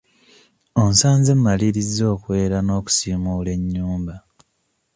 Onsanze mmalirizza okwera n'okusiimuula ennyumba.